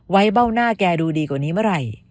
เบ้าหน้าแกดูดีกว่านี้เมื่อไหร่